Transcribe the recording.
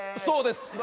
そうです。